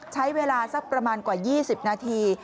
ใช้เวลาสักประมาณกว่า๒๐นาที